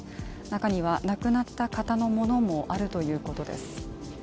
中には亡くなった方のものもあるということです。